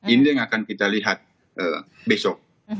ini yang akan kita lihat besok